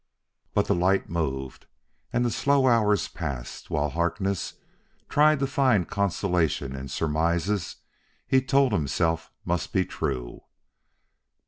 But the light moved, and the slow hours passed, while Harkness tried to find consolation in surmises he told himself must be true.